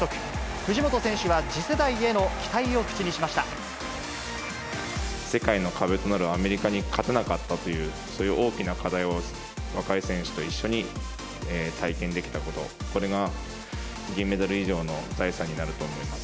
藤本選手は次世代への期待を口に世界の壁となるアメリカに勝てなかったという、そういう大きな課題を、若い選手と一緒に体験できたこと、これが銀メダル以上の財産になると思います。